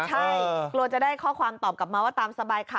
ใช่กลัวจะได้ข้อความตอบกลับมาว่าตามสบายค่ะ